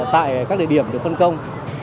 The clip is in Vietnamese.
tại các địa điểm được phân công